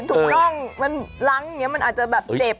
ถูกต้องมันล้างอย่างนี้มันอาจจะแบบเจ็บ